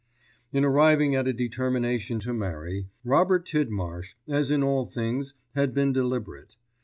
In arriving at a determination to marry, Robert Tidmarsh, as in all things, had been deliberate.